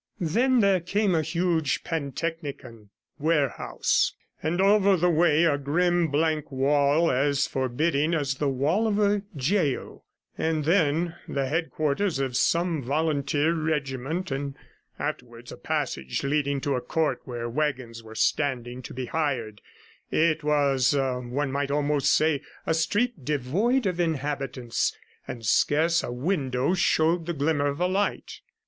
Then there came a huge pantechnicon warehouse; and over the way a grim blank wall, as forbidding as the wall of a gaol, and then the headquarters of some volunteer regiment, and afterwards a passage leading to a court where waggons were standing to be hired; it was, one might almost say, a street devoid of inhabitants, and scarce a window showed the glimmer of a light.